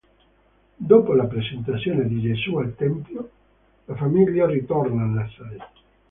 Dopo la presentazione di Gesù al tempio, la famiglia ritorna a Nazaret.